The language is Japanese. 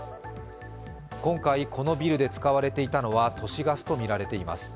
今回、このビルで使われていたのは都市ガスとみられています。